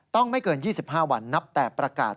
ไม่เกิน๒๕วันนับแต่ประกาศ